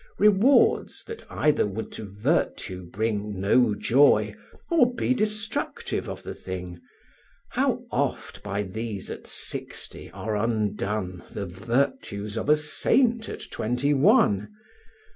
Rewards, that either would to virtue bring No joy, or be destructive of the thing: How oft by these at sixty are undone The virtues of a saint at twenty one!